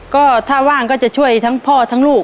ก็ถ้าว่างก็จะช่วยทั้งพ่อทั้งลูก